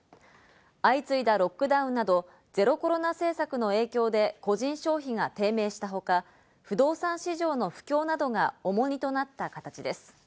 相次いだロックダウンなどゼロコロナ政策の影響で個人消費が低迷したほか、不動産市場の不況などが重荷となった形です。